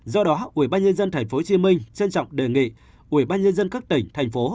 do đó ubnd tp hcm trân trọng đề nghị ubnd các tỉnh thành phố